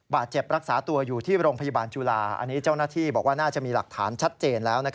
บาดเจ็บรักษาตัวอยู่ที่โรงพยาบาลจุฬาอันนี้เจ้าหน้าที่บอกว่าน่าจะมีหลักฐานชัดเจนแล้ว